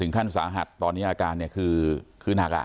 ขั้นสาหัสตอนนี้อาการเนี่ยคือหนัก